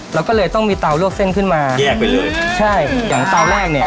เราก็เลยต้องมีเตาลวกเส้นขึ้นมาแยกไปเลยใช่อย่างเตาแรกเนี่ย